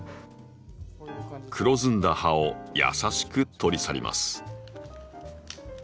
黒ずんだ葉を優しく取り去ります。